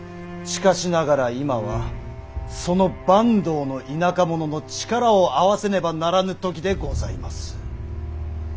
しかしながら今はその坂東の田舎者の力を合わせねばならぬ時でございます。